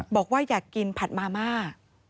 บอกว่าอยากกินผัดมาม่า